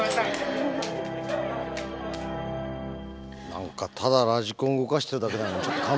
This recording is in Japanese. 何かただラジコン動かしてるだけなのにちょっと感動しちゃった。